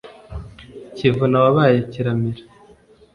kivuna wabaye kiramira.